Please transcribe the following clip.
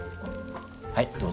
はいどうぞ。